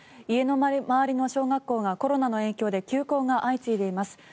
家の周りの小学校がコロナの影響で休校が相次いでいます。